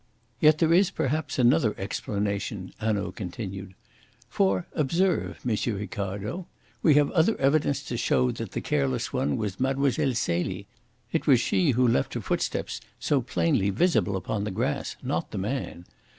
"Yet there is perhaps, another explanation," Hanaud continued. "For observe, M. Ricardo. We have other evidence to show that the careless one was Mlle. Celie. It was she who left her footsteps so plainly visible upon the grass, not the man.